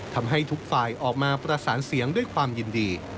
ทำให้ทุกฝ่ายออกมาประสานเสียงด้วยความยินดี